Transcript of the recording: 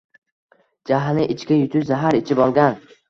Jahlni ichga yutish zahar ichib olgan